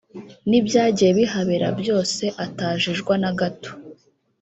n’ibyagiye bihabera byose atajijwa na gato